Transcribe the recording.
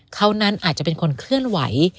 เขานั้นอาจจะเป็นคนเคลื่อนไหว